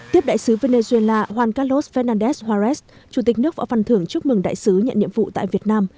tiếp đại sứ venezuela juan carlos fernandez juarez chủ tịch nước võ văn thường chúc mừng đại sứ nhận nhiệm vụ tại việt nam